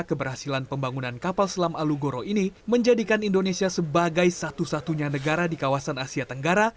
keberhasilan pembangunan kapal selam alugoro ini menjadikan indonesia sebagai satu satunya negara di kawasan asia tenggara